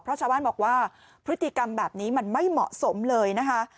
เพราะชาวบ้านบอกว่าพฤติกรรมแบบนี้มันไม่เหมาะสมเลยนะคะ